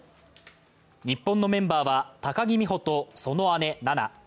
日本のメンバーは高木美帆と、その姉・菜那。